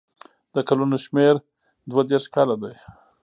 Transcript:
د کلونو شمېر دوه دېرش کاله دی.